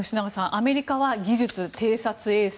アメリカは技術、偵察衛星。